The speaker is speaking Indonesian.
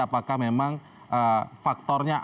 apakah memang faktornya